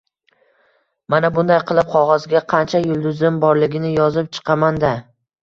— Mana bunday qilib: qog‘ozga qancha yulduzim borligini yozib chiqaman-da